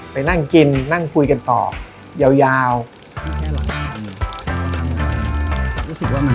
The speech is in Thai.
ไปนั่งกินนั่งคุยกันต่อยาว